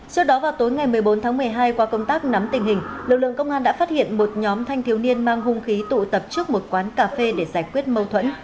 trước đó vào tối ngày một mươi bốn tháng một mươi hai qua công tác nắm tình hình lực lượng công an đã phát hiện một nhóm thanh thiếu niên mang hung khí tụ tập trước một quán cà phê để giải quyết mâu thuẫn